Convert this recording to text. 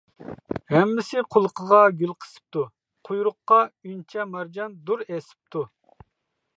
ھەممىسى قۇلىقىغا گۈل قىسىپتۇ، قۇيرۇققا ئۈنچە-مارجان، دۇر ئېسىپتۇ.